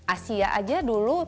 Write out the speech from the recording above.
asia aja dulu